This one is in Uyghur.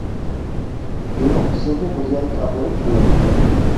يۈرۈڭ، سىزنى بىر يەرگە ئاپىرىپ قوياي.